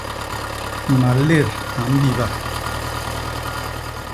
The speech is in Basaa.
Malét a mbiba.